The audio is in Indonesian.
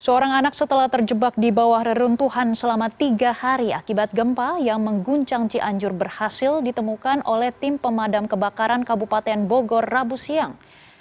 seorang anak setelah terjebak di bawah reruntuhan selama tiga hari akibat gempa yang mengguncang cianjur berhasil ditemukan oleh tim pemadam kebakaran kabupaten bogor rabu siang